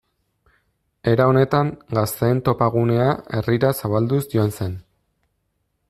Era honetan, gazteen topagunea herrira zabalduz joan zen.